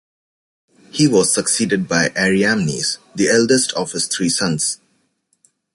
He was succeeded by Ariamnes, the eldest of his three sons.